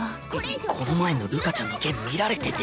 んっこの前のるかちゃんの件見られてて。